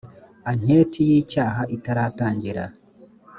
anketi y icyaha itaratangira